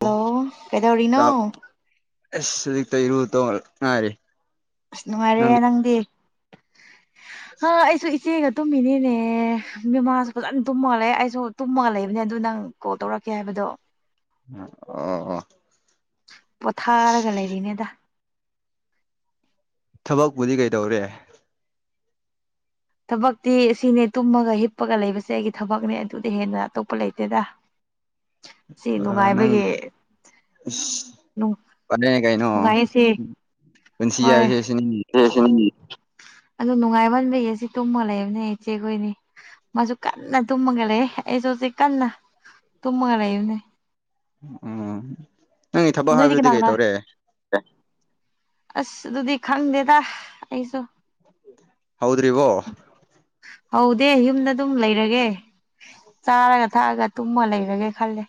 hello ꯀꯩꯗꯧꯔꯤꯅꯣ ꯑꯁ ꯍꯧꯖꯤꯛꯇ ꯏꯔꯨ ꯇꯧ ꯉꯥꯏꯔꯤ ꯅꯨꯡꯉꯥꯏꯔꯦ ꯅꯪꯗꯤ ꯍꯣ ꯑꯩꯁꯨ ꯏꯆꯦꯒ ꯇꯨꯝꯃꯤꯅꯤꯅꯦ ꯅꯣꯏꯃꯥꯁꯨ ꯐꯖꯅ ꯇꯨꯝꯃꯜꯂꯦ ꯑꯩꯁꯨ ꯇꯨꯝꯃꯒ ꯂꯩꯕꯅꯦ ꯑꯗꯨ ꯅꯪ ꯀꯣꯜ ꯇꯧꯔꯛꯀꯦ ꯍꯥꯏꯕꯗꯣ ꯑꯣ ꯑꯣ ꯄꯣꯊꯥꯔꯒ ꯂꯩꯔꯤꯅꯦꯗ ꯊꯕꯛꯄꯨꯗꯤ ꯀꯩꯗꯧꯔꯦ ꯊꯕꯛꯇꯤ ꯁꯤꯅꯦ ꯇꯨꯝꯃꯒ ꯍꯤꯞꯄꯒ ꯂꯩꯕꯁꯦ ꯑꯩꯒꯤ ꯊꯕꯛꯅꯦ ꯑꯗꯨꯗꯤ ꯍꯦꯟꯅ ꯑꯇꯣꯞꯄ ꯂꯩꯇꯦꯗ [unintelligible] ꯁꯤ ꯑ ꯅꯪ ꯅꯨꯡꯉꯥꯏꯕꯒꯤ ꯏꯁ [unintelligible] ꯅꯨꯡꯉꯥꯏꯌꯦꯁꯤ ꯄꯨꯟꯁꯤ ꯍꯣꯏ ꯍꯥꯏꯕꯁꯤ ꯁꯤꯅꯤ ꯑꯗꯨ ꯅꯨꯡꯉꯥꯏꯃꯟꯕꯒꯤ ꯁꯤ ꯇꯨꯝꯃ ꯂꯩꯕꯅꯦ ꯏꯆꯦꯈꯣꯏꯅꯤ ꯃꯥꯁꯨ ꯀꯟꯅ ꯇꯨꯝꯃꯒ ꯂꯩ ꯑꯩꯁꯨ ꯍꯧꯖꯤꯛ ꯀꯟꯅ ꯇꯨꯝꯃꯒ ꯂꯩꯕꯅꯦ ꯎꯝ ꯅꯪꯒꯤ ꯊꯕꯛ ꯅꯣꯏꯗꯤ ꯍꯥꯏꯕꯗꯨꯗꯤ ꯀꯅꯥ ꯀꯅꯥ ꯀꯩꯇꯧꯔꯦ ꯑꯁ ꯑꯗꯨꯗꯤ ꯈꯪꯗꯦꯗ ꯑꯩꯁꯨ [unintelligible] ꯍꯧꯗ꯭ꯔꯤꯕꯣ ꯍꯧꯗꯦ ꯌꯨꯝꯗ ꯑꯗꯨꯝ ꯂꯩꯔꯒꯦ ꯆꯥꯔꯒ ꯊꯛꯑꯒ ꯇꯨꯝꯃ ꯂꯩꯔꯒꯦ ꯈꯜꯂꯦ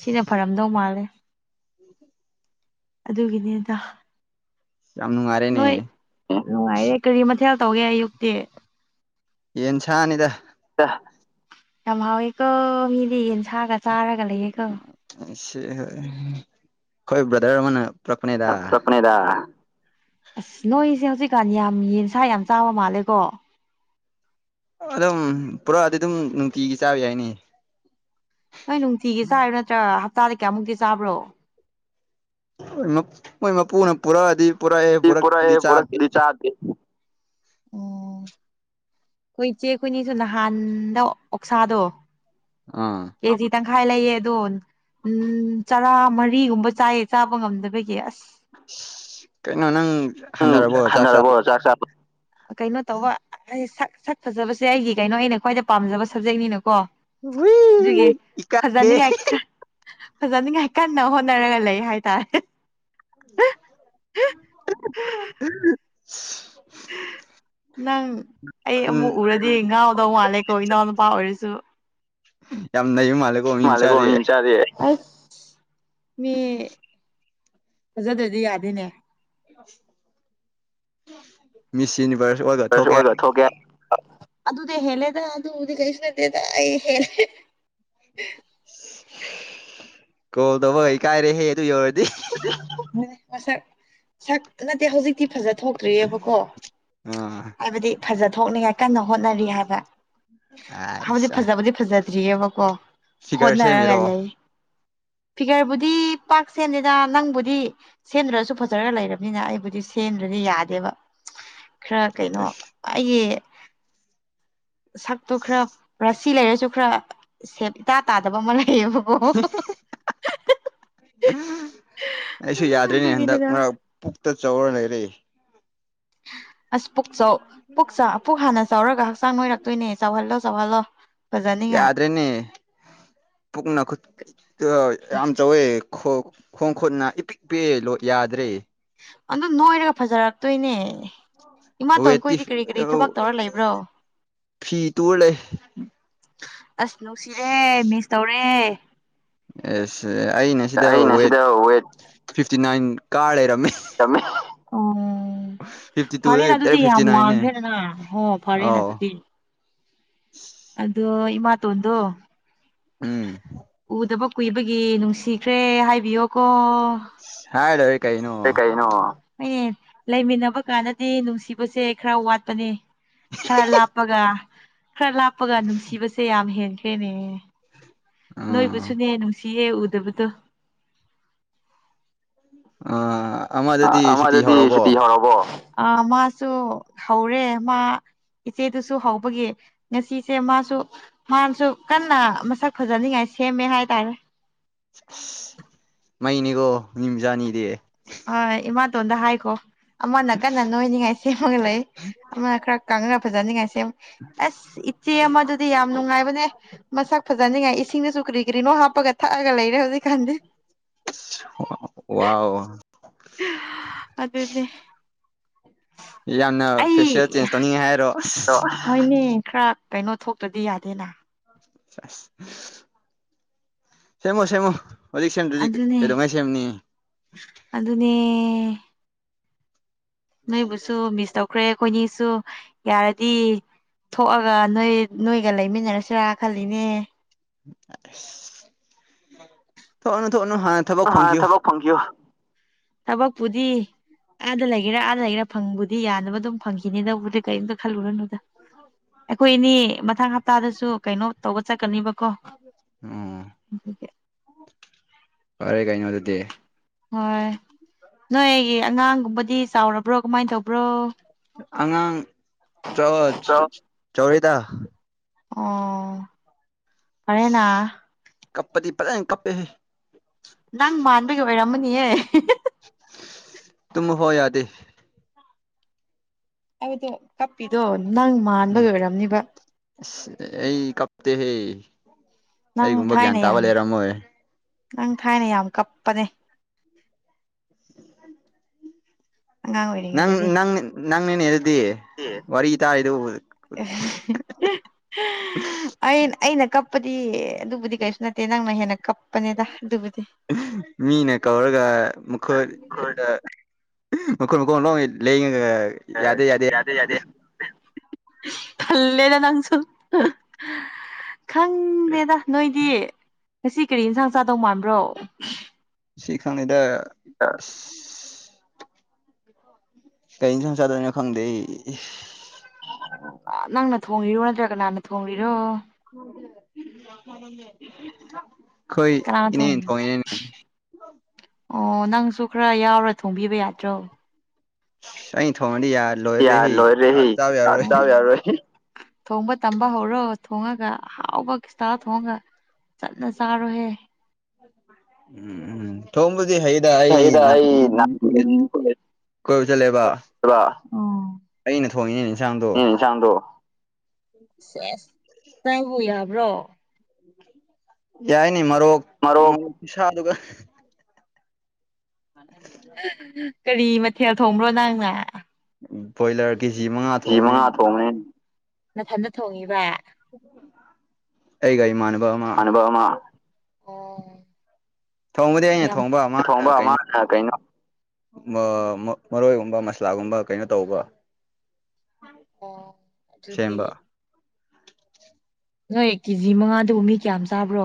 ꯁꯤꯅ ꯐꯔꯝꯗꯧ ꯃꯥꯜꯂꯦ ꯑꯗꯨꯒꯤꯅꯦꯗ ꯌꯥꯝ ꯅꯨꯡꯉꯥꯏꯔꯦꯅꯦ ꯅꯨꯡꯉꯥꯏꯔꯦ ꯀꯔꯤ ꯃꯊꯦꯜ ꯇꯧꯒꯦ ꯑꯌꯨꯛꯇꯤ ꯌꯦꯟꯁꯥꯅꯤꯗ ꯌꯥꯝ ꯍꯥꯎꯋꯦꯀꯣ ꯃꯤꯗꯤ ꯌꯦꯟꯁꯥꯒ ꯆꯥꯔꯒ ꯂꯩꯌꯦꯀꯣ ꯈꯣꯏ ꯕ꯭ꯔꯗꯔ ꯑꯃꯅ ꯄꯨꯔꯛꯄꯅꯦꯗ [unintelligible] ꯑꯁ ꯅꯣꯏꯁꯦ ꯍꯧꯖꯤꯛꯀꯥꯟ ꯌꯥꯝ ꯌꯦꯟꯁꯥ ꯌꯥꯝ ꯆꯥꯕ ꯃꯥꯜꯂꯦꯀꯣ ꯑꯗꯨꯝ ꯄꯨꯔꯛꯑꯗꯤ ꯑꯗꯨꯝ ꯅꯨꯡꯇꯤꯒꯤ ꯆꯥꯕ ꯌꯥꯏꯅꯦ ꯅꯣꯏ ꯅꯨꯡꯇꯤꯒꯤ ꯆꯥꯔꯤꯔ ꯅꯠꯇ꯭ꯔꯥ ꯍꯞꯇꯥꯗ ꯀꯌꯥꯃꯨꯛꯀꯤ ꯆꯥꯕ꯭ꯔꯣ ꯃꯣꯏ ꯃꯄꯨꯅ ꯄꯨꯔꯛꯑꯗꯤ ꯄꯨꯔꯛꯑꯦ ꯄꯨꯔꯛꯑꯦ ꯄꯨꯔꯛꯇ꯭ꯔꯗꯤ ꯆꯥꯗꯦ ꯄꯨꯔꯛꯇꯗꯤ ꯆꯥꯗꯦ ꯑꯣ ꯑꯩꯈꯣꯏ ꯏꯆꯦ ꯑꯩꯈꯣꯏꯑꯅꯤꯁꯨ ꯅꯍꯥꯟꯗꯣ ꯑꯣꯛꯁꯥꯗꯣ ꯑꯥ ꯀꯦꯖꯤ ꯇꯪꯈꯥꯏ ꯂꯩꯌꯦ ꯑꯗꯣ ꯎꯝ ꯆꯔꯥ ꯃꯔꯤꯒꯨꯝꯕ ꯆꯥꯏꯌꯦ ꯆꯥꯕ ꯉꯝꯗꯕꯒꯤ ꯑꯁ ꯑꯁ ꯀꯩꯅꯣ ꯅꯪ ꯎꯝ ꯍꯟꯊꯔꯕꯣ ꯆꯥꯛ ꯆꯥꯕ ꯍꯟꯅꯔꯕꯣ ꯆꯥꯛ ꯆꯥꯕ ꯀꯩꯅꯣ ꯇꯧꯕ ꯑꯩ ꯁꯛ ꯁꯛ ꯐꯖꯕꯁꯦ ꯑꯩꯒꯤ ꯀꯩꯅꯣ ꯑꯩꯅ ꯈ꯭ꯋꯥꯏꯗꯩ ꯄꯥꯝꯖꯕ ꯁꯕꯖꯦꯛꯅꯤꯅꯀꯣ [unintelligible] ꯑꯗꯨꯒꯤ ꯏꯀꯥꯏꯌꯦ ꯐꯖꯅꯤꯡꯉꯥꯏ ꯐꯖꯅꯤꯡꯉꯥꯏ ꯀꯟꯅ ꯍꯣꯠꯅꯔꯒ ꯂꯩ ꯍꯥꯏꯇꯥꯔꯦ [unintelligible] ꯅꯪ ꯑꯩ ꯎꯝ ꯑꯃꯨꯛ ꯎꯔꯗꯤ ꯉꯥꯎꯗꯧ ꯃꯥꯜꯂꯦꯀꯣ ꯏꯅꯥꯎ ꯅꯨꯄꯥ ꯑꯣꯏꯔꯁꯨ ꯌꯥꯝ ꯅꯩꯕ ꯃꯥꯜꯂꯦ ꯃꯥꯜꯂꯦꯀꯣ ꯃꯤ ꯃꯆꯥꯗꯤ ꯑꯁ ꯃꯤ ꯐꯖꯗ꯭ꯔꯗꯤ ꯌꯥꯗꯦꯅꯦ ꯃꯤꯁ ꯌꯨꯅꯤꯚꯔꯁ ꯑꯣꯏꯔꯒ ꯊꯣꯛꯀꯦ [unintelligible] ꯑꯗꯨꯗꯩ ꯍꯦꯜꯂꯦꯗ ꯑꯗꯨꯗꯤ ꯀꯩꯁꯨ ꯅꯠꯇꯦꯗ ꯑꯩ ꯍꯦꯜ ꯀꯣꯜ ꯇꯧꯕ ꯏꯀꯥꯏꯔꯦꯍꯦ ꯑꯗꯨ ꯌꯧꯔꯗꯤ ꯃꯁꯛ ꯁꯛ ꯅꯠꯇꯦ ꯍꯧꯖꯤꯛꯇꯤ ꯐꯖ ꯊꯣꯛ ꯇ꯭ꯔꯤꯑꯕꯀꯣ ꯑꯥ ꯍꯥꯏꯕꯗꯤ ꯐꯖ ꯊꯣꯛꯅꯤꯡꯉꯥꯏ ꯀꯟꯅ ꯍꯣꯠꯅꯔꯤ ꯍꯥꯏꯕ ꯍꯧꯖꯤꯛ ꯑꯥꯏꯁ ꯐꯖꯕꯨꯗꯤ ꯐꯖꯗ꯭ꯔꯤꯑꯕꯀꯣ ꯐꯤꯒꯔ ꯍꯣꯠꯅꯔꯒ ꯁꯦꯝꯃꯤꯔꯣ ꯂꯩ ꯐꯤꯒꯔꯕꯨꯗꯤ ꯄꯥꯛꯁꯦ ꯗꯥ ꯅꯪꯕꯨꯗꯤ ꯁꯦꯝꯗ꯭ꯔꯁꯨ ꯐꯖꯔ ꯂꯩꯔꯕꯅꯤꯅ ꯑꯩꯕꯨꯗꯤ ꯁꯦꯝꯗ꯭ꯔꯗꯤ ꯌꯥꯗꯦꯕ ꯈ꯭ꯔ ꯀꯩꯅꯣ ꯑꯁ ꯑꯩꯒꯤ ꯁꯛꯇꯣ ꯈ꯭ꯔ ꯄꯦꯁ ꯁꯤ ꯂꯩꯔꯁꯨ ꯈ꯭ꯔ ꯁꯦꯞ ꯏꯇꯥ ꯇꯥꯗꯕ ꯑꯃ ꯂꯩꯌꯦꯕ ꯑꯩꯁꯨ ꯌꯥꯗ꯭ꯔꯦꯅꯦ ꯍꯟꯗꯛ ꯑꯗꯨꯒꯤꯅꯤꯗ ꯃꯔꯛ ꯄꯨꯛꯇ ꯆꯥꯎꯔ ꯂꯩꯔꯦ ꯑꯁ ꯄꯨꯛ ꯆꯥꯎ ꯄꯨꯛ ꯆꯥ ꯄꯨꯛ ꯍꯥꯟꯅ ꯆꯥꯎꯔꯒ ꯍꯛꯆꯥꯡ ꯅꯣꯏꯔꯛꯇꯣꯏꯅꯦ ꯆꯥꯎꯍꯜꯂꯣ ꯆꯥꯎꯍꯜꯂꯣ ꯐꯖꯅꯤꯡꯉꯥꯏ ꯌꯥꯗ꯭ꯔꯦꯅꯦ ꯄꯨꯛꯅ ꯈꯨꯠ ꯑ ꯌꯥꯝ ꯆꯥꯎꯋꯦ ꯈꯣ ꯈꯣꯡ ꯈꯨꯨꯠꯅ ꯏꯄꯤꯛ ꯄꯤꯛꯑꯦ ꯌꯥꯗ꯭ꯔꯦ ꯑꯗꯨ ꯅꯣꯏꯔꯒ ꯐꯖꯔꯛꯇꯣꯏꯅꯦ ꯋꯦꯠꯇꯤ ꯏꯃꯥꯇꯣꯟꯈꯣꯏꯗꯤ ꯀꯔꯤ ꯀꯔꯤ ꯊꯕꯛ ꯇꯧꯔ ꯂꯩꯕ꯭ꯔꯣ ꯐꯤ ꯇꯨꯔ ꯂꯩ ꯑꯁ ꯅꯨꯡꯁꯤꯔꯦ ꯃꯤꯁ ꯇꯧꯔꯦ ꯑꯦꯁ ꯑꯩꯅ ꯁꯤꯗ ꯋꯦꯠ ꯐꯤꯐꯇꯤ ꯅꯥꯏꯟ ꯀꯥꯔ ꯂꯩꯔꯝꯃꯦ ꯂꯩꯔꯝꯃꯦ ꯑꯣ ꯐꯤꯐꯇꯤ ꯐꯔꯦꯅꯥ ꯇꯨꯗꯒꯤ ꯑꯗꯨꯗꯤ ꯗꯥꯏꯔꯦꯛ ꯐꯤꯐꯇꯤ ꯌꯥꯝ ꯅꯥꯏꯟꯅꯦ ꯋꯥꯡꯈ꯭ꯔꯦꯗꯅ ꯍꯣ ꯐꯔꯦꯅ ꯑꯧ ꯑꯗꯨꯗꯤ ꯑꯗꯣ ꯏꯃꯥꯇꯣꯟꯗꯣ ꯎꯝ ꯎꯗꯕ ꯀꯨꯏꯕꯒꯤ ꯅꯨꯡꯁꯤꯈ꯭ꯔꯦ ꯍꯥꯏꯕꯤꯌꯣꯀꯣ ꯍꯥꯏꯔꯣꯏ ꯑꯦ ꯀꯩꯅꯣ ꯑꯩ ꯂꯩꯃꯤꯟꯅꯕ ꯀꯥꯟꯗꯗꯤ ꯅꯨꯡꯁꯤꯕꯁꯦ ꯈꯔ ꯋꯥꯠꯄꯅꯦ ꯈꯔ ꯂꯥꯞꯄꯒ ꯈꯔ ꯂꯥꯞꯄꯒ ꯅꯨꯡꯁꯤꯕꯁꯦ ꯌꯥꯝ ꯍꯦꯟꯈ꯭ꯔꯦꯅꯦ ꯎꯝ ꯅꯣꯏꯕꯨꯁꯨꯅꯦ ꯅꯨꯡꯁꯤꯌꯦ ꯎꯗꯕꯗꯣ ꯑꯥ ꯑꯥ ꯑꯃꯗꯨꯗꯤ ꯁꯨꯇꯤ ꯍꯧꯔꯕꯣ ꯑ ꯃꯥꯁꯨ ꯍꯧꯔꯦ ꯃꯥ ꯏꯆꯦꯗꯨꯁꯨ ꯍꯧꯕꯒꯤ ꯉꯁꯤꯁꯦ ꯃꯥꯁꯨ ꯃꯥꯁꯨ ꯀꯟꯅ ꯃꯁꯛ ꯐꯖꯅꯤꯡꯉꯥꯏ ꯁꯦꯝꯃꯦ ꯍꯥꯏꯇꯥꯔꯦ ꯑꯁ ꯃꯩꯅꯤꯀꯣ ꯃꯤ ꯃꯆꯥ ꯑꯅꯤꯗꯤ ꯍꯣꯏ ꯏꯃꯥꯇꯣꯟꯗ ꯍꯥꯏꯈꯣ ꯑꯃꯅ ꯀꯟꯅ ꯅꯣꯏꯅꯤꯉꯥꯏ ꯁꯦꯝꯃꯒ ꯂꯩ ꯑꯃꯅ ꯈꯔ ꯀꯪꯉꯒ ꯐꯖꯅꯤꯡꯉꯥꯏ ꯁꯦꯝ ꯑꯁ ꯏꯆꯦ ꯑꯃ ꯑꯗꯨꯗꯤ ꯌꯥꯝ ꯅꯨꯡꯉꯥꯏꯕꯅꯦ ꯃꯁꯛ ꯐꯖꯅꯤꯡꯉꯥꯏ ꯏꯁꯤꯡꯗꯁꯨ ꯀ꯭ꯔꯤ ꯀ꯭ꯔꯤꯅꯣ ꯍꯥꯞꯄꯒ ꯊꯛꯑꯒ ꯂꯩꯔꯦ ꯍꯧꯖꯤꯛꯀꯥꯟꯗꯤ ꯋꯥꯎ ꯑꯗꯨꯅꯦ ꯌꯥꯝꯅ ꯐꯦꯁꯤꯑꯦꯜ ꯆꯦꯟꯖ ꯇꯧꯅꯤꯡꯉꯦ ꯍꯥꯏꯔꯣ ꯇꯣ ꯑꯁ ꯍꯣꯏꯅꯦ ꯈꯔ ꯀꯩꯅꯣ ꯊꯣꯛꯇ꯭ꯔꯗꯤ ꯌꯥꯗ꯭ꯔꯦꯅꯥ ꯁꯦꯁ ꯁꯦꯝꯃꯣ ꯁꯦꯝꯃꯣ ꯍꯧꯖꯤꯛ ꯁꯦꯝꯗ꯭ꯔꯗꯤ ꯑꯗꯨꯅꯦ ꯀꯩꯗꯧꯉꯥꯏ ꯁꯦꯝꯅꯤ ꯑꯗꯨꯅꯦ ꯅꯣꯏꯕꯨꯁꯨ ꯃꯤꯁ ꯇꯧꯈ꯭ꯔꯦ ꯑꯩꯈꯣꯏꯅꯤꯁꯨ ꯌꯥꯔꯗꯤ ꯊꯣꯛꯑꯒ ꯅꯣꯏ ꯅꯣꯏꯒ ꯂꯩꯃꯤꯟꯅꯔꯁꯤꯔꯥ ꯈꯜꯂꯤꯅꯦ ꯑꯁ ꯊꯣꯛꯎꯅꯨ ꯊꯣꯛꯎꯅꯨ ꯍꯥ ꯍꯥꯟ ꯊꯕꯛ ꯐꯪꯈꯤꯒ꯭ꯌꯣ ꯊꯕꯛꯄꯨꯗꯤ ꯑꯥꯗ ꯂꯩꯒꯦꯔꯥ ꯑꯥꯗ ꯂꯩꯒꯦꯔꯥ ꯐꯪꯕꯨꯗꯤ ꯌꯥꯅꯕ ꯑꯗꯨꯝ ꯐꯪꯈꯤꯅꯤꯗꯕꯨꯗꯤ ꯀꯦꯝꯇ ꯈꯜꯂꯨꯔꯅꯨꯗ ꯑꯩꯈꯣꯏ ꯑꯅꯤ ꯃꯊꯪ ꯍꯞꯇꯥꯗꯁꯨ ꯀꯩꯅꯣ ꯇꯧꯕ ꯆꯠꯀꯅꯤꯕ ꯑꯣ ꯐꯔꯦ ꯀꯥꯅꯣ ꯑꯗꯨꯗꯤ ꯍꯣꯏ ꯅꯣꯏꯒꯤ ꯑꯉꯥꯡꯒꯨꯝꯕꯗꯤ ꯆꯥꯎꯔꯕ꯭ꯔꯣ ꯀꯃꯥꯏ ꯇꯧꯕ꯭ꯔꯣ ꯑꯉꯥꯡ ꯆꯥꯎ ꯆ ꯆ ꯆ ꯆꯥꯎꯔꯦꯗꯥ ꯑꯣ ꯐꯔꯦꯅꯥ ꯀꯞꯄꯗꯤ ꯐꯖꯅ ꯀꯞꯄꯦ ꯍꯦ ꯅꯪ ꯃꯥꯟꯕꯒꯤ ꯑꯣꯏꯔꯝꯃꯅꯤꯌꯦ ꯇꯨꯝ ꯍꯣ ꯌꯥꯗ ꯑꯩꯗꯤ ꯀꯞꯄꯤꯗꯣ ꯅꯪ ꯃꯥꯟꯕꯒ ꯑꯣꯏꯔꯝꯅꯤꯕ ꯏꯁ ꯑꯩ ꯀꯞꯇꯦꯍꯦ ꯅꯪ ꯑꯩꯒꯨꯝꯕ ꯒ꯭ꯌꯥꯟ ꯊꯥꯏꯅ ꯇꯥꯕ ꯌꯥꯝ ꯂꯩꯔꯝꯃꯣꯏ ꯅꯪ ꯊꯥꯏꯅ ꯌꯥꯝ ꯀꯞꯄꯅꯦ [unintelligible] ꯑꯉꯥꯡ ꯅꯪ ꯑꯣꯏꯔꯤꯉꯩꯗꯗꯤ ꯅꯪ ꯅꯪꯅꯤꯅꯦ ꯗꯨꯗꯤ ꯋꯥꯔꯤ ꯇꯥꯏꯗꯣ ꯎꯕꯗꯥ [unintelligible] ꯑ ꯑꯩꯅ ꯀꯞꯄꯗꯤ ꯑꯗꯨꯕꯨꯗꯤ ꯀꯔꯤꯁꯨ ꯅꯠꯇꯦ ꯅꯪꯅ ꯍꯦꯟꯅ ꯀꯞ ꯃꯤꯅ ꯀꯧꯔꯒ ꯃꯈꯣꯏ ꯍꯣꯏ ꯍꯦꯛꯇꯥ ꯃꯈꯣꯟ ꯃꯈꯣꯟ ꯂꯣꯏ ꯂꯦꯡꯉꯒ ꯑ ꯌ [unintelligible] ꯌꯥꯗꯦ ꯊꯜꯂꯦꯗ ꯅꯪꯁꯨ ꯈꯪꯗꯦꯗ ꯅꯣꯏꯗꯤ ꯉꯁꯤ ꯀꯔꯤ ꯌꯦꯟꯁꯥꯡ ꯆꯥꯗꯧ ꯃꯥꯟꯕ꯭ꯔꯣ ꯁꯤ ꯈꯪꯅꯤꯗꯥ ꯑꯥ ꯀꯩ ꯑꯦꯟꯖꯥꯡ ꯆꯥꯗꯣꯏꯅꯣ ꯈꯪꯗꯦ ꯑꯩ ꯅꯪꯅ ꯊꯣꯡꯉꯤꯔꯣ ꯅꯠꯇ꯭ꯔꯒ ꯀꯅꯅꯥ ꯊꯣꯡꯂꯤꯔꯣ ꯀꯣꯏ ꯀꯅꯥꯅ ꯏꯅꯦꯅ ꯊꯣꯡꯉꯤ ꯊꯣꯡꯉꯤꯅꯦ ꯑꯣ ꯅꯪꯁꯨ ꯈꯔ ꯌꯥꯎꯔ ꯊꯣꯡꯕꯤꯕ ꯌꯥꯗ꯭ꯔꯣ ꯁ ꯑꯩꯅ ꯊꯣꯡꯉꯗꯤ ꯌꯥꯔ ꯌꯥꯔ ꯂꯣꯏꯔꯦ ꯗ ꯗꯥꯎ ꯌꯥꯔꯣꯏ ꯊꯣꯡꯕ ꯇꯝꯕ ꯍꯧꯧꯔꯣ ꯊꯣꯡꯉꯒ ꯍꯥꯎꯕ ꯀꯁꯠꯇ ꯊꯣꯡꯉꯒ ꯆꯠꯂ ꯆꯥꯔꯣꯍꯦ ꯎꯝ ꯎꯝ ꯊꯣꯡꯕꯗꯤ ꯍꯩ ꯗ ꯑꯩ ꯐꯩꯗ ꯑꯩ ꯅꯥꯕ [unintelligible] ꯌꯦꯟ ꯀꯣꯏꯕ ꯆꯠꯂꯦꯕ ꯑꯩꯅ ꯊꯣꯡꯉꯤꯅꯤꯅꯦ ꯏꯟꯁꯥꯡꯗꯣ ꯏꯟꯁꯥꯡꯗꯣ ꯁꯦꯁ ꯆꯥꯕꯕꯨ ꯌꯥꯕ꯭ꯔꯣ ꯌꯥꯏꯅꯤ ꯃꯔꯣꯛ ꯃꯔꯣꯛ ꯃꯣꯔꯣꯛ ꯈꯨꯁꯥ ꯑꯗꯨꯒ ꯀꯔꯤ ꯃꯊꯦꯜ ꯊꯣꯡꯕ꯭ꯔꯣ ꯅꯪꯅ ꯕꯣꯏꯂꯔ ꯀꯦꯖꯤ ꯃꯉꯥ ꯀꯦꯖꯤ ꯊꯣꯡꯕꯅꯦ ꯃꯉꯥ ꯊꯣꯡꯉꯦ ꯅꯊꯟꯗ ꯊꯣꯡꯉꯤꯕ ꯑꯩꯒ ꯏꯃꯥꯟꯅꯕ ꯑꯃ [inaudible] ꯃꯥꯅꯕ ꯑꯃ ꯑꯣ ꯊꯣꯡꯕꯗꯤ ꯑꯩꯅ ꯌꯥꯝ ꯊꯣꯡꯕ ꯃꯥꯅ ꯊꯣꯡꯕ ꯀꯩꯅꯣ ꯃꯥꯅꯥ ꯀꯩꯅꯣ ꯃ ꯃꯔꯣꯏꯒꯨꯝꯕ ꯃꯁꯂꯥꯒꯨꯝꯕ ꯀꯩꯅꯣ ꯇꯧꯕ ꯑꯣ ꯑꯗꯨꯗꯤ ꯁꯦꯝꯕ ꯅꯣꯏ ꯀꯦꯖꯤ ꯃꯉꯥꯗꯨꯕꯨ ꯃꯤ ꯀꯌꯥꯝ ꯆꯥꯕ꯭ꯔꯣ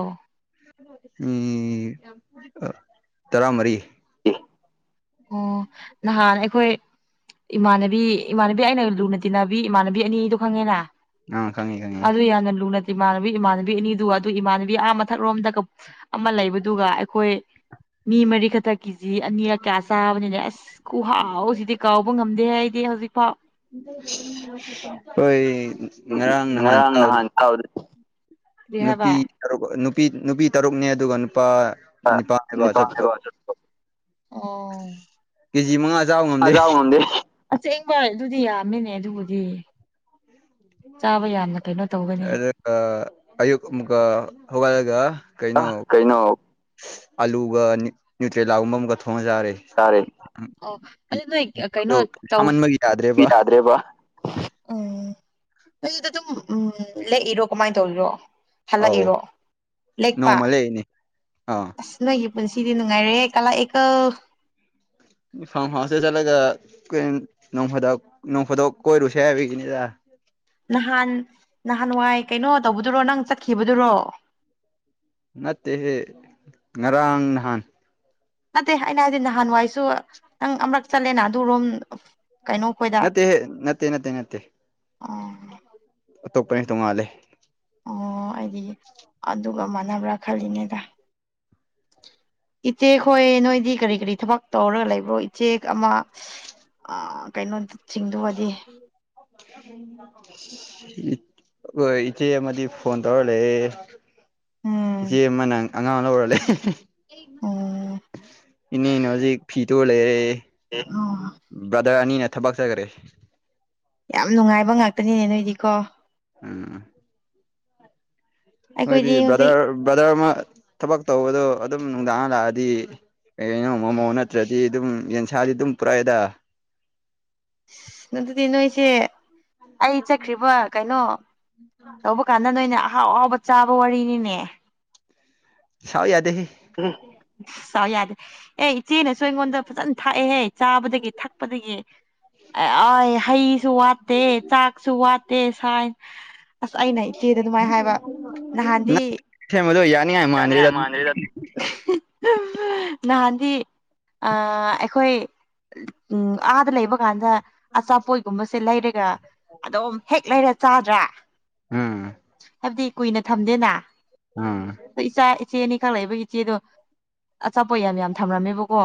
ꯎꯝ ꯇꯔꯥ ꯃꯔꯤ [unintelligible] ꯑꯣ ꯅꯍꯥꯟ ꯑꯩꯈꯣꯏ ꯏꯃꯥꯟꯅꯕꯤ ꯏꯃꯥꯟꯅꯕꯤ ꯑꯩꯅ ꯂꯨꯅ ꯇꯤꯟꯅꯕꯤ ꯏꯃꯥꯟꯅꯕꯤ ꯑꯅꯤꯗꯣ ꯈꯪꯉꯦꯅ ꯑꯥ ꯈꯪꯉꯤ ꯈꯪꯉꯤ ꯑꯗꯨ ꯌꯥꯝꯅ ꯂꯨꯅ ꯏꯃꯥꯟꯅꯕꯤ ꯏꯃꯥꯟꯅꯕꯤ ꯑꯅꯤꯗꯨ ꯑꯗꯨ ꯏꯃꯥꯟꯅꯕꯤ ꯑꯥ ꯃꯊꯛꯔꯣꯝꯗ ꯑꯃ ꯂꯩꯕꯗꯨꯒ ꯑꯩꯈꯣꯏ ꯃꯤ ꯃꯔꯤ ꯈꯇ ꯀꯤꯖꯤ [unintelligible] ꯆꯥꯕꯅꯤꯅꯦ ꯑꯁ ꯈꯨꯍꯥꯎꯁꯤꯗꯤ ꯀꯥꯎꯕ ꯉꯝꯗꯦ ꯍꯥꯏꯗꯤ ꯍꯧꯖꯤꯛ ꯐꯥꯎ ꯍꯣꯏ ꯉꯔꯥꯡ ꯉꯍꯥꯟ [unintelligible] [unintelligible] ꯅꯨꯄꯤꯨ [unintelligible] ꯅꯨꯄꯤ ꯅꯨꯄꯤ ꯇꯔꯨꯛꯅꯦ ꯑꯗꯨꯒ ꯅꯨꯄꯥ [unintelligible] ꯅꯤꯄꯥꯜꯅꯦꯕ ꯑꫭ ꯆꯠꯄꯗꯣ ꯀꯦꯖꯤ ꯃꯉꯥ ꯆꯥꯕ ꯉꯝꯗꯦ [unintelligible] ꯑꯁꯦꯡꯕ ꯑꯗꯨꯗꯤ ꯌꯥꯝꯃꯤꯅꯦ ꯑꯗꯨꯕꯨꯗꯤ ꯆꯥꯕ ꯌꯥꯝꯅ ꯀꯩꯅꯣ ꯇꯧꯒꯅꯤ ꯑ ꯑꯌꯨꯛ ꯑꯃꯨꯛꯀ ꯍꯧꯒꯠꯂꯒ ꯑ ꯀꯩꯅꯣ ꯀꯩꯅꯣ ꯑꯂꯨꯒ ꯅ꯭ꯌꯨꯇ꯭ꯔꯦꯂꯥꯒꯨꯝꯕ ꯑꯃꯒ ꯊꯣꯡꯉ ꯆꯥꯔꯦ ꯆꯥꯔꯦ ꯑꯣ ꯑꯗꫭ ꯅꯣꯏ ꯑꯗꯣ ꯀꯩꯅꯣ ꯇꯧ ꯁꯥꯃꯟꯕꯒꯤ ꯌꯥꯗ꯭ꯔꯦꯕ [unintelligible] ꯇꯥꯗ꯭ꯔꯦꯕ ꯎꯝ ꯅꯣꯏ ꯑꯗꯨꯗ ꯗꯨꯝ ꯎꯝ ꯂꯦꯛꯏꯔꯣ ꯀꯃꯥꯏ ꯇꯧꯔꯤꯔꯣ ꯑꯧ ꯍꯜꯂꯛꯏꯔꯣ ꯂꯦꯛꯄ ꯅꯣꯡꯃ ꯂꯩꯅꯤ ꯑꯥ ꯑꯁ ꯅꯣꯏꯒꯤ ꯄꯨꯟꯁꯤꯗꯤ ꯅꯨꯡꯉꯥꯏꯔꯦꯍꯦ ꯀꯜꯂꯛꯏꯀꫭ ꯐꯥꯔꯝ ꯍꯥꯎꯁꯇ ꯆꯠꯂꯒ [unintelligible] ꯅꯣꯡ ꯐꯥꯗꯣꯛ ꯀꯣꯏꯔꯨꯁꯦ ꯍꯥꯏꯕꯒꯤꯅꯤꯗ ꯅꯍꯥꯟ ꯅꯍꯥꯟꯋꯥꯏ ꯀꯩꯅꯣ ꯇꯧꯕꯗꯨꯔꯣ ꯅꯪ ꯆꯠꯈꯤꯕꯗꯨꯔꯣ ꯅꯠꯇꯦꯍꯦ ꯉꯔꯥꯡ ꯅꯍꯥꯟ ꯅꯠꯇꯦ ꯑꯩꯅ ꯍꯥꯏꯗꯤ ꯅꯍꯥꯟꯋꯥꯏꯁꯨ ꯅꯪ ꯑꯃꯔꯛ ꯆꯠꯂꯦꯅ ꯑꯗꯨꯔꯣꯝ ꯀꯩꯅꯣ ꯈꯣꯏꯗ ꯅꯠꯇꯦꯍꯦ ꯅꯠꯇꯦ ꯅꯠꯇꯦ ꯅꯠꯇꯦ ꯑꯣ ꯑꯇꯣꯞꯄꯅꯦ ꯇꯣꯡꯉꯥꯜꯂꯦ ꯑꯣ ꯑꯩꯗꯤ ꯑꯗꯨꯒ ꯃꯥꯟꯅꯕ꯭ꯔ‌ ꯈꯜꯂꯤꯅꯤꯗ ꯏꯆꯦ ꯍꯣꯏ ꯅꯣꯏꯗꯤ ꯀꯔꯤ ꯀꯔꯤ ꯊꯕꯛ ꯇꯧꯔꯒ ꯂꯩꯕ꯭ꯔꯣ ꯏꯆꯦꯛ ꯑꯃ [unintelligible] ꯑ ꯀꯩꯅꯣ ꯁꯤꯡꯗꯨꯒꯗꯤ [unintelligible] ꯍꫭꯏ ꯏꯆꯦ ꯑꯃꯗꯤ ꯐꯣꯟ ꯇꯧꯔ ꯂꯩꯌꯦ ꯎꯝ ꯏꯆꯦ ꯑꯃꯅ ꯑꯉꯥꯡ ꯂꯧꯔ ꯂꯩ [unintelligible] ꯎꯝ ꯏꯅꯤꯅ ꯍꯧꯖꯤꯛ ꯐꯤ ꯇꯨꯔ ꯂꯩꯔꯦ [unintelligible] ꯕ꯭ꯔꯗꯔ ꯑꯅꯤꯅ ꯊꯕꯛ ꯆꯠꯈ꯭ꯔꯦ ꯌꯥꯝ ꯅꯨꯡꯉꯥꯏꯕ ꯉꯥꯛꯇꯅꯤꯅꯦ ꯅꯣꯏꯗꯤꯀꯣ ꯎꯝ ꯍꯣꯏꯗꯤ ꯑꯩꯈꯣꯏꯗꯤ ꯍꯧꯖꯤꯛ ꯕ꯭ꯔꯗꯔ ꯕ꯭ꯔꯗꯔ ꯑꯃ ꯊꯕꯛ ꯇꯧꯕꯗꯣ ꯑꯗꯨꯝ ꯅꯨꯡꯗꯥꯡ ꯍꯜꯂꯛꯑꯗꯤ ꯀꯩꯅꯣ ꯃꫭꯃꫭ ꯅꯠꯇ꯭ꯔꯗꯤ ꯑꯗꯨꯝ ꯌꯦꯟꯁꯥꯗꯤ ꯑꯗꯨꯝ ꯄꯨꯔꯛꯏꯗ ꯑꯗꯨꯗꯤ ꯅꯣꯏꯁꯦ ꯑꯩ ꯆꯠꯈ꯭ꯔꯤꯕ ꯀꯩꯅꯣ ꯇꯧꯕ ꯀꯥꯟ ꯗ ꯅꯣꯏꯅ ꯑꯍꯥꯎ ꯑꯍꯥꯎꯕ ꯆꯥꯕ ꯋꯥꯔꯤꯅꯤꯅꯦ ꯁꯥꯎ ꯌꯥꯗꯦꯍꯦ [unintelligible] ꯁꯥꯎ ꯌꯥꯗꯦ ꯑꯦ ꯏꯆꯦꯅꯁꯨ ꯑꯩꯉꯣꯟꯗ ꯐꯖꯅ ꯊꯥꯛꯑꯦꯍꯦ ꯆꯥꯕꯗꯒꯤ ꯊꯛꯄꯗꯒꯤ ꯑ ꯍꯩꯁꯨ ꯋꯥꯠꯇꯦ ꯆꯥꯛꯁꯨ ꯋꯥꯠꯇꯦ ꯁꯥꯏ ꯑꯁ ꯑꯩꯅ ꯏꯆꯦꯗ ꯑꯗꯨꯃꯥꯏꯅ ꯍꯥꯏꯕ ꯅꯍꯥꯟꯗꯤ [unintelligible] ꯌꯥꯅꯤ‌ ꯍꯥꯏ ꯃꯥꯟꯗꯦꯗ ꯌꯥꯅꯤꯉꯥꯏ ꯃꯥꯟꯗ꯭ꯔꯦꯗ [unintelligible] ꯅꯍꯥꯟꯗꯤ ꯑ ꯑꯩꯈꯣꯏ ꯎꯝ ꯑꯥꯗ ꯂꯩꯕ ꯀꯥꯟꯗ ꯑꯆꯥꯠꯄꯣꯠꯒꯨꯝꯕ ꯁꯤ ꯂꯩꯔꯒ ꯑꯗꯨꯝ ꯍꯦꯛ ꯂꯩꯔ ꯆꯥꯗ꯭ꯔꯥ ꯎꯝ ꯍꯥꯏꯕꯗꯤ ꯀꯨꯏꯅ ꯊꯝꯗꯦꯅ ꯑꯥ ꯏꯆꯥ ꯏꯆꯦ ꯑꯅꯤꯈꯛ ꯂꯩꯕꯒꯤ ꯏꯆꯦꯗꯣ ꯑꯆꯥꯄꯣꯠ ꯌꯥꯝ ꯌꯥꯝ ꯊꯝꯂꯝꯃꯦꯕꯀꯣ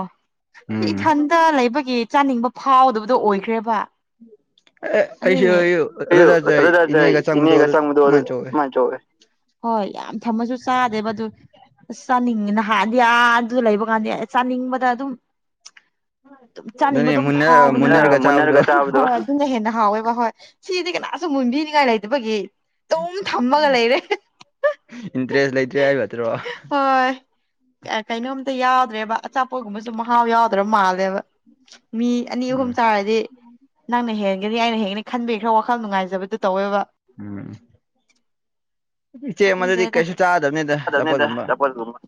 ꯎꯝ ꯏꯊꯟꯇ ꯂꯩꯕꯒꯤ ꯆꯥꯅꯤꯡꯕ ꯐꯥꯎꯗꯕꯗꯣ ꯑꯣꯏꯈ꯭ꯔꯦꯕ ꯎ ꯑ ꯑꯩꯁꯨ ꯑꯗꯨꯒꯤ ꯑꯩꯁꯨ ꯑꯗꯨ [unintelligible] ꯑꯗꯨꯗ ꯏꯅꯦꯒꯥ ꯆꯪꯕꯗꯨ ꯏꯅꯦꯒ ꯑꯗꯨ ꯆꯪꯕꯗꯣ ꯑꯃꯟ ꯇꯧꯑꯦ ꯑꯗꯨꯃꯥꯏꯅ ꯇꯧꯋꯦ ꯍꯣꯏ ꯌꯥꯝ ꯊꯝꯃꯁꯨ ꯆꯥꯗꯦꯕ ꯑꯗꯨ ꯆꯥꯅꯤꯡꯉꯤ ꯅꯍꯟꯗꯤ ꯑꯥ ꯑꯗꯨ ꯂꯩꯕ ꯀꯥꯟꯗꯤ ꯆꯥꯅꯤꯡꯕꯗ ꯑꯗꯨꯝ ꯑꯗꯨꯝ ꯆꯥꯅꯤꯡꯕ ꯑꯗꯨꯅꯦ ꯑꯗꯨꯝ ꯃꯨꯟꯅ ꯃꯨꯟꯅꯔꯒ ꯆꯥꯕꯗꯣ ꯐꯥꯎꯕꯅꯦꯕꯥ ꯊꯨꯅ ꯍꯦꯟꯅ ꯍꯥꯎꯋꯦꯕ ꯍꯣꯏ ꯁꯤꯗꯤ ꯀꯅꯥꯁꯨ ꯃꯨꯟꯕꯤꯅꯤꯉꯥꯏ ꯂꯩꯗꯕꯒꯤ ꯑꯗꯨꯝ ꯊꯝꯃꯒ ꯂꯩꯔꯦ ꯏꯟꯇꯔꯦꯁ ꯂꯩꯇ꯭ꯔꯦ ꯍꯥꯏꯕꯇ꯭ꯔꯣ ꯍꯣꯏ ꯑꯦ ꯀꯩꯅꯣꯝꯇ ꯌꯥꯎꯗ꯭ꯔꯦꯕ ꯑꯆꯥꯄꯣꯠꯒꯨꯝꯕꯁꯨ ꯃꯍꯥꯎ ꯌꯥꯎꯗ꯭ꯔꯕ ꯃꯥꯜꯂꯦꯕ ꯃꯤ ꯑꯅꯤ ꯎꯝ ꯑꯍꯨꯝ ꯆꯥꯔꯗꯤ ꯅꯪꯅ ꯍꯦꯟꯒꯅꯤ ꯑꯩꯅ ꯍꯦꯟꯒꯥꯅꯤ ꯈꯟꯕꯤ ꯈꯔ ꯋꯥꯈꯜ ꯅꯨꯡꯉꯥꯏꯖꯕꯗꯨ ꯇꯧꯋꯦꯕ ꯎꯝ ꯏꯆꯦ ꯑꯃ ꯑꯗꯨꯗꯤ ꯈꯪꯗ꯭ꯔꯦꯗ ꯀꯩꯁꯨ ꯆꯥꯗ꯫ꯅꯤꯗ ꯆꯥꯗꯕꯅꯤꯗ ꯆꯥꯄꯣꯠꯀꯨꯝꯕ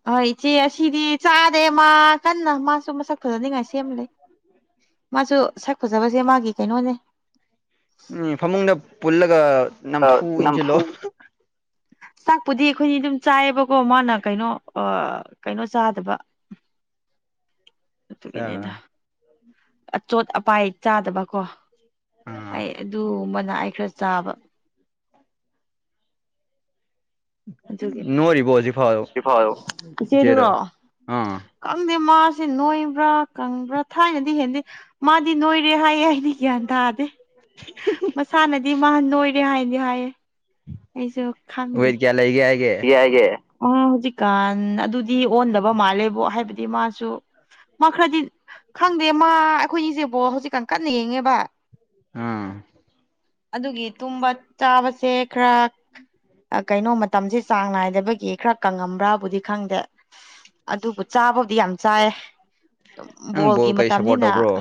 ꯍꯣꯏ ꯏꯆꯦ ꯑꯁꯤꯗꯤ ꯆꯥꯗꯦ ꯃꯥ ꯀꯟꯅ ꯃꯥꯁꯨ ꯃꯁꯛ ꯐꯖꯅꯤꯉꯥꯏ ꯁꯦꯝ ꯂꯩ [unintelligible] ꯃꯥꯁꯨ ꯁꯛ ꯐꯖꯕꯁꯦ ꯃꯥꯒꯤ ꯀꯩꯅꯣꯅꯦ ꯎꯝ ꯐꯃꯨꯡꯗ ꯄꯨꯜꯂꯒ ꯑ ꯅꯝꯐꯨ ꯏꯟꯁꯤꯜꯂꯣ ꯅꯝꯐꯨ ꯆꯥꯛꯄꯨꯗꯤ ꯑꯩꯈꯣꯏꯅꯤ ꯑꯗꯨꯝ ꯆꯥꯏꯌꯦꯕꯀꯣ ꯃꯥꯅ ꯀꯩꯅꯣ ꯑꯥ ꯀꯩꯅꯣ ꯆꯥꯗꯕ ꯑꯗꯨꯒꯤꯅꯦꯗ ꯑꯆꯣꯠ ꯑꯄꯥꯏ ꯆꯥꯗꯕꯀꯣ ꯑꯩ ꯑꯗꯨꯒꯨꯝꯕꯅ ꯑꯩ ꯈꯔ ꯆꯥꯕ ꯅꯣꯏꯔꯤꯕꯣ ꯍꯧꯖꯤꯐꯥꯎ [unintelligible] ꯏꯆꯦꯗꯨꯅꯣ ꯑꯥ ꯀꯪꯗꯦ ꯃꯥꯁꯦ ꯅꯣꯏꯕ꯭ꯔꯥ ꯀꯪꯕ꯭ꯔꯥ ꯊꯥꯏꯅꯗꯤ ꯍꯦꯟꯗꯦ ꯃꯥꯗꯤ ꯅꯣꯏꯔꯦ ꯍꯥꯏꯌꯦ ꯑꯩꯗꯤ ꯒ꯭ꯌꯥꯟ ꯇꯥꯗꯦ ꯃꯁꯥꯅꯗꯤ ꯃꯥ ꯅꯣꯏꯔꯦ ꯍꯥꯏꯗꯤ ꯍꯥꯏꯌꯦ ꯑꯩꯁꯨ ꯈꯪꯗꯦ ꯋꯦꯠ ꯀꯌꯥ ꯂꯩꯒꯦ ꯍꯥꯏꯒꯦ [unintelligible] ꯑꯣ ꯍꯧꯖꯤꯛꯀꯥꯟ ꯑꯗꯨꯗꯤ ꯑꯣꯟꯗꯕ ꯃꯥꯜꯂꯦꯕꯣ ꯍꯥꯏꯕꯗꯤ ꯃꯥꯁꯨ ꯃꯥ ꯈꯔꯗꯤ ꯈꯪꯗꯦ ꯃꯥ ꯑꯩꯈꯣꯏ ꯅꯤꯁꯦ ꯕꯣ ꯍꯧꯖꯤꯛꯀꯥꯟ ꯀꯟꯅ ꯌꯦꯡꯉꯦꯕ ꯑꯥ ꯑꯗꯨꯒꯤ ꯇꯨꯝꯕ ꯆꯥꯕꯁꯦ ꯈꯔ ꯑꯥ ꯀꯩꯅꯣꯃꯠ ꯃꯇꯝꯁꯦ ꯆꯥꯡ ꯅꯥꯏꯗꯕꯒꯤ ꯈꯔ ꯀꯪꯉꯝꯕ꯭ꯔꯥꯕꯨꯗꯤ ꯈꯪꯗꯦ ꯑꯗꯨꯕꯨ ꯆꯥꯕꯕꯨꯗꯤ ꯌꯥꯝ ꯆꯥꯏ ꯑꯗꯨꯝ ꯅꯪ ꯕꯣꯜ ꯕꯣꯜꯒꯤ ꯀꯩ ꯁꯞꯄꯣꯔꯠ ꯃꯇꯝꯅꯤꯅ ꯇꯧꯕ꯭ꯔꯣ